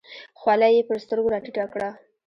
خولۍ یې په سترګو راټیټه کړه.